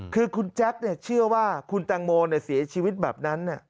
คือคุณแจ๊คเชื่อว่าคุณแตงโมเสียชีวิตแบบนั้น